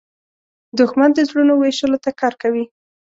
دښمن د زړونو ویشلو ته کار کوي